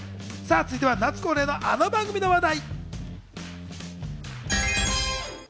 続いては夏といえば恒例のあの番組の話題。